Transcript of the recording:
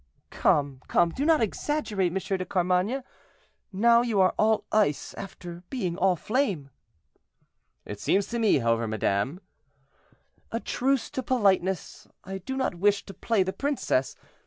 "Come, come, do not exaggerate, M. de Carmainges; now you are all ice, after being all flame." "It seems to me, however, madame—" "A truce to politeness; I do not wish to play the princess.